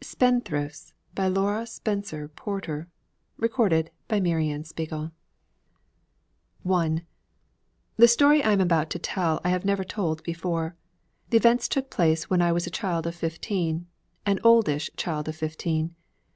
SPENDTHRIFTS BY LAURA SPENCER PORTOR I THE story I am about to tell I have never told before. The events in it took place when I was a child of fifteen, an oldish child of fifteen.